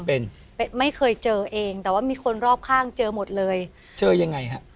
เป็นไม่เคยเจอเองแต่ว่ามีคนรอบข้างเจอหมดเลยเจอยังไงฮะ